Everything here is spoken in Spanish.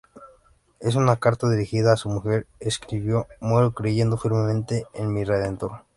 En una carta dirigida a su mujer, escribió: "Muero creyendo firmemente en mi Redentor".